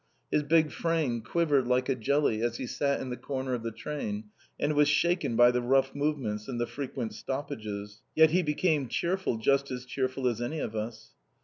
His big frame quivered like a jelly, as he sat in the corner of the train, and was shaken by the rough movements and the frequent stoppages. Yet he became cheerful, just as cheerful as any of us.